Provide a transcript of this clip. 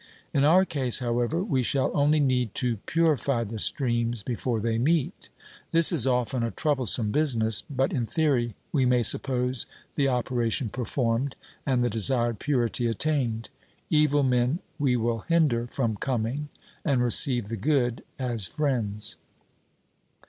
In our case, however, we shall only need to purify the streams before they meet. This is often a troublesome business, but in theory we may suppose the operation performed, and the desired purity attained. Evil men we will hinder from coming, and receive the good as friends.